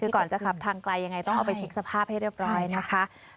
คือก่อนจะขับทางไกลยังไงต้องเอาไปเช็คสภาพให้เรียบร้อยนะคะ